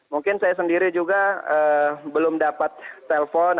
mungkin saya sendiri juga belum dapat telpon